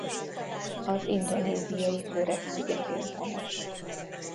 Az indonéziai Flores szigetén honos.